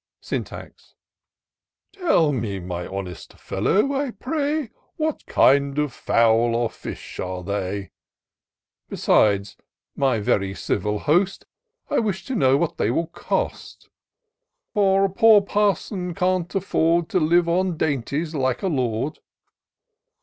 Syntax. " Tell me, my honest friend, I pray, What kind of fowl or fish are they ? Besides, my very civil Host, I wish to know what they will cost ; For a poor parson can't afford To live on dainties like a lord."